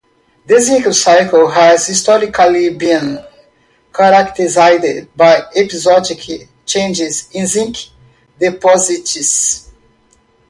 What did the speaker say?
The zinc cycle has historically been characterized by episodic changes in zinc deposits.